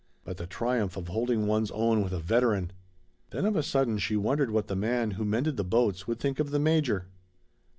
But the triumph of holding one's own with a veteran! Then of a sudden she wondered what the man who mended the boats would think of the Major.